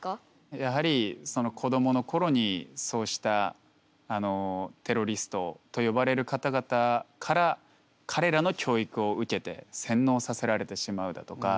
やはりその子どものころにそうしたテロリストと呼ばれる方々から彼らの教育を受けて洗脳させられてしまうだとか